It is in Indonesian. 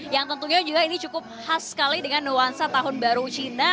yang tentunya juga ini cukup khas sekali dengan nuansa tahun baru cina